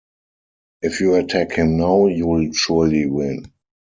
If you attack him now, you'll surely win.